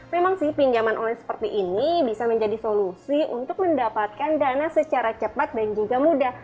memang sih pinjaman online seperti ini bisa menjadi solusi untuk mendapatkan dana secara cepat dan juga mudah